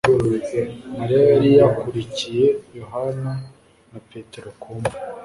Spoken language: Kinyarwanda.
Mariya yari yakurikiye Yohana na Petero ku mva;